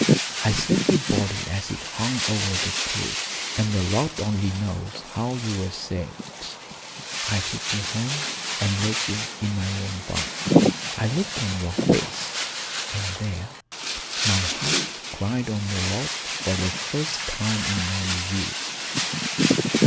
I saved your body as it hung over the cliff and the Lord only knows how ye were saved. I took ye home and laid ye in my own bunk, and looked on your face and there my heart cried on the Lord for the first time in many years.